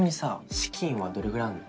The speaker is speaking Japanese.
資金はどれぐらいあるの？